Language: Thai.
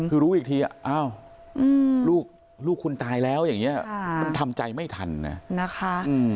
คือรู้อีกทีอ้าวลูกคุณตายแล้วอย่างนี้มันทำใจไม่ทันนะนะคะ